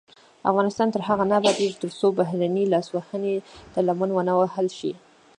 افغانستان تر هغو نه ابادیږي، ترڅو بهرنۍ لاسوهنې ته لمن ونه وهل شي.